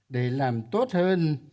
để làm tốt hơn